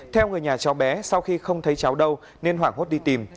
theo người nhà cháu bé sau khi không thấy cháu đâu nên hoảng hốt đi tìm